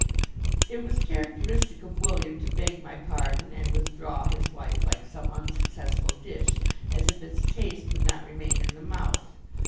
It was characteristic of William to beg my pardon and withdraw his wife like some unsuccessful dish, as if its taste would not remain in the mouth.